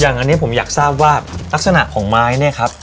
อันนี้ผมอยากทราบว่าลักษณะของไม้เนี่ยครับ